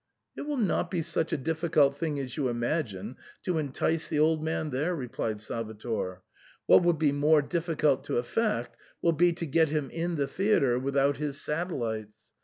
It will not be such a difficult thing as you imagine to entice the old man there," replied Salvator. " What will be more difficult to effect, will be, to get him in the theatre without his satellites.